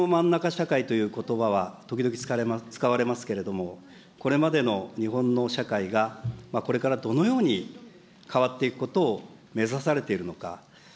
社会ということばは時々使われますけれども、これまでの日本の社会が、これから、どのように変わっていくことを目指されているのか。